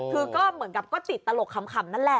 คือก็เหมือนกับก็ติดตลกขำนั่นแหละ